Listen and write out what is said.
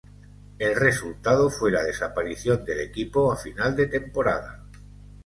El resultado fue la desaparición del equipo a final de temporada.